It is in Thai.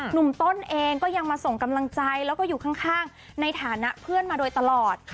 หนุ่มต้นเองก็ยังมาส่งกำลังใจแล้วก็อยู่ข้างในฐานะเพื่อนมาโดยตลอด